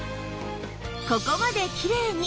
ここまできれいに！